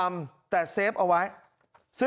อำเภอโพธาราม